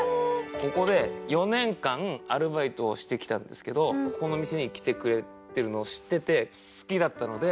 ここで４年間アルバイトをしてきたんですけどここの店に来てくれてるのを知ってて好きだったので。